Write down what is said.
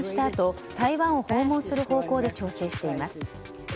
あと台湾を訪問する方向で調整しています。